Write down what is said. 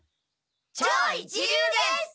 超一流です！